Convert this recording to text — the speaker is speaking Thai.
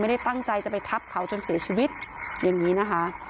ไม่ได้ตั้งใจจะไปทับเขาจนเสียชีวิตอย่างนี้นะคะ